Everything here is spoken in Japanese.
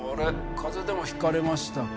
風邪でもひかれましたか？